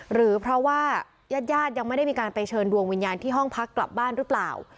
หรือเพราะว่าญาติญาติยังไม่ได้มีการไปเชิญดวงวิญญาณที่ห้องพักกลับบ้านหรือเปล่า